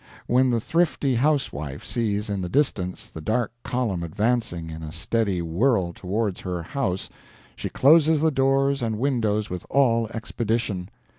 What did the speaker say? When the thrifty housewife sees in the distance the dark column advancing in a steady whirl towards her house, she closes the doors and windows with all expedition.